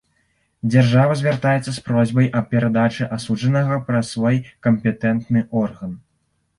Дзяржава звяртаецца з просьбай аб перадачы асуджанага праз свой кампетэнтны орган.